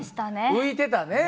浮いてたね。